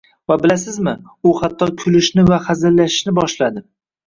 Va bilasizmi, u hatto kulishni va hazillashishni boshladi